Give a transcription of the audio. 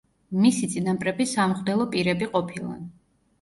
მისი წინაპრები სამღვდელო პირები ყოფილან.